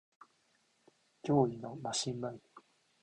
脅威のマシンバイブ